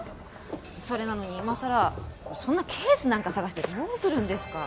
それなのに今さらそんなケースなんか捜してどうするんですか？